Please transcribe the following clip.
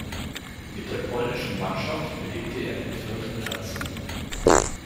Mit der polnischen Mannschaft belegte er den vierten Platz.